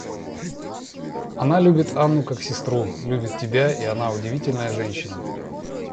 Она любит Анну как сестру, любит тебя, и она удивительная женщина.